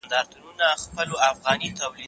که وخت وي، ليک لولم،